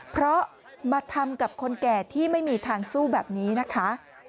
เพราะมาทำกับคนแก่ที่ไม่มีทางสู้แบบนี้นะคะ